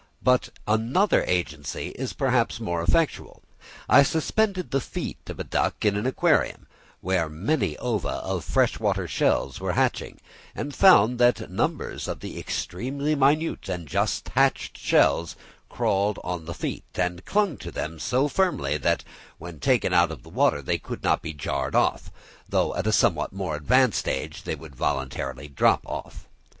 But another agency is perhaps more effectual: I suspended the feet of a duck in an aquarium, where many ova of fresh water shells were hatching; and I found that numbers of the extremely minute and just hatched shells crawled on the feet, and clung to them so firmly that when taken out of the water they could not be jarred off, though at a somewhat more advanced age they would voluntarily drop off.